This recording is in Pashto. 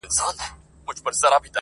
لا د چا سترگه په سيخ ايستل كېدله!!